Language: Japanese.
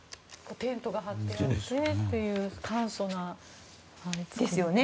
テントが張ってあってっていう簡素な。ですよね。